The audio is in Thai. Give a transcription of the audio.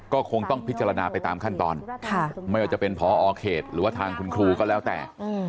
ก็คงต้องพิจารณาไปตามขั้นตอนไม่ว่าจะเป็นพอเขตหรือว่าทางคุณครูก็แล้วแต่